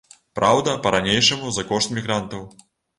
Праўда, па-ранейшаму за кошт мігрантаў.